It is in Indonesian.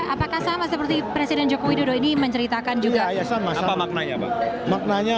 apakah sama seperti presiden joko widodo ini menceritakan juga ya sama sama maknanya maknanya